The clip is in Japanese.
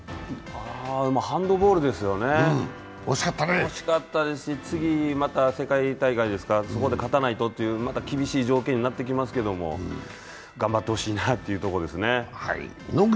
ハンドボールですよね、惜しかったですし、次、また世界大会で勝たないとという厳しい条件になってきますけど頑張ってほしいなというところですね。